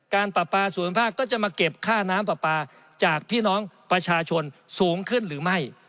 ปลาปลาส่วนภาคก็จะมาเก็บค่าน้ำปลาปลาจากพี่น้องประชาชนสูงขึ้นหรือไม่